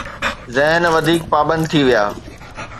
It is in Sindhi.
ذهن وڌيڪ پابند ٿي ويا.